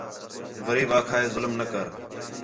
غریب آکھا ہِے ظلم نہ کر